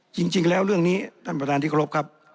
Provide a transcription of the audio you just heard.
จริงแล้วเรื่องนี้ท่านประธานที่เคารพครับ